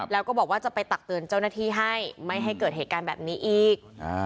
แล้วก็บอกว่าจะไปตักเตือนเจ้าหน้าที่ให้ไม่ให้เกิดเหตุการณ์แบบนี้อีก